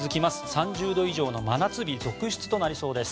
３０度以上の真夏日続出となりそうです。